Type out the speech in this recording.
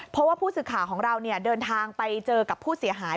เพราะว่าผู้สื่อข่าวของเราเดินทางไปเจอกับผู้เสียหาย